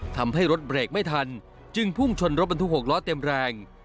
ทำให้รถเบรกไม่ทันจึงพุ่งชนรถบรรทุก๖ล้อเต็มแรง